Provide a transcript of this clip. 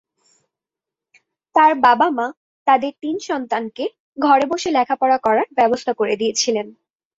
তার বাবা-মা তাদের তিন সন্তানকে ঘরে বসে লেখাপড়া করার ব্যবস্থা করে দিয়েছিলেন।